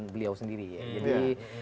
beliau sendiri ya jadi